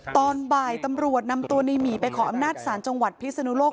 ตอนบ่ายตำรวจนำตัวในหมีไปขออำนาจศาลจังหวัดพิศนุโลก